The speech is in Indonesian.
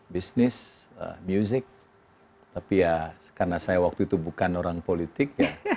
bisnis music tapi ya karena saya waktu itu bukan orang politik